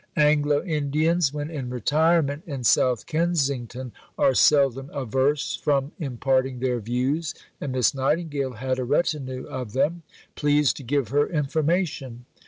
Anglo Indians, when in retirement in South Kensington, are seldom averse from imparting their views, and Miss Nightingale had a retinue of them, pleased to give her information.